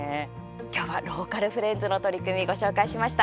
今日はローカルフレンズの取り組み、ご紹介しました。